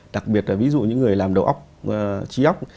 đặc biệt là ví dụ những người làm đầu óc trí óc